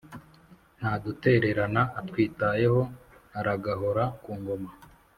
Ntadutererana atwitayeho aragahora ku ngoma